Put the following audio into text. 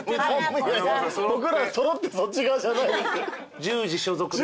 僕ら揃ってそっち側じゃないです。